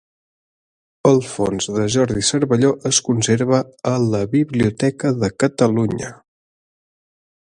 El fons de Jordi Cervelló es conserva a la Biblioteca de Catalunya.